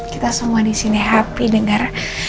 kita semua disini happy dengar